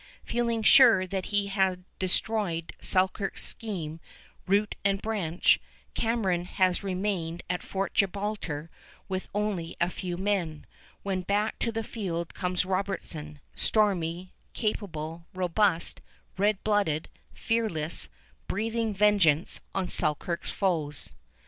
Feeling sure that he had destroyed Selkirk's scheme root and branch, Cameron has remained at Fort Gibraltar with only a few men, when back to the field comes Robertson, stormy, capable, robust, red blooded, fearless, breathing vengeance on Selkirk's foes.